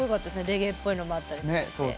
レゲエっぽいのもあったり。